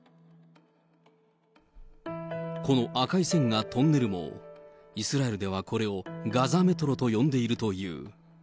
この赤い線がトンネル網、イスラエルではこれをガザメトロと呼んでいるという。